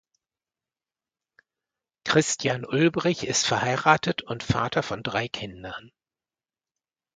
Christian Ulbrich ist verheiratet und Vater von drei Kindern.